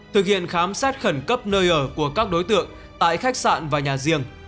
thực hiện khám xét khẩn cấp nơi ở của các đối tượng tại khách sạn và nhà riêng